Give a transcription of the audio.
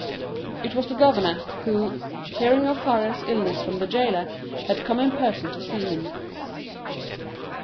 It was the governor, who, hearing of Faria's illness from the jailer, had come in person to see him.